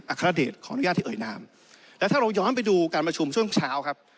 อัครเดชของรุย่านที่เอ่ยนามแล้วถ้าเราย้อนไปดูการมาชมช่วงเช้าครับ